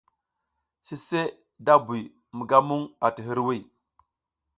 Sise da buy mi ga muƞ ati hiriwiy.